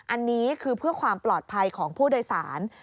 อันนี้คือเพื่อความปลอดภัยของผู้โดยสาร